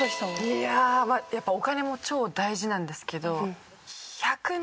いやあやっぱお金も超大事なんですけど。